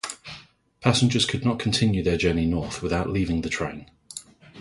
Passengers could continue their journey north without leaving the train.